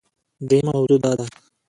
دریمه موضوع دا ده